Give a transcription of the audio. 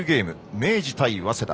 明治対早稲田。